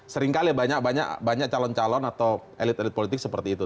seringkali banyak calon calon atau elit elit politik seperti itu